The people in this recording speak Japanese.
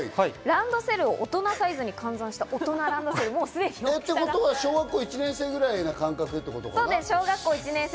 ランドセルを大人サイズに換算した大人ラン小学校１年生ぐらいの感覚だね。